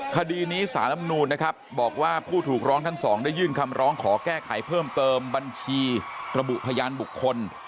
คดีนี้สารลำนูนนะครับบอกว่าผู้ถูกร้องทั้งสองได้ยื่นคำร้องขอแก้ไขเพิ่มเติมบัญชีระบุพยานบุคคล